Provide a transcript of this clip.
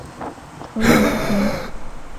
头也不回